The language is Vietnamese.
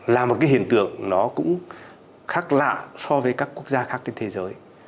là một cái hiện tượng nó cũng khác lạ so với các quốc gia khác trên thế giới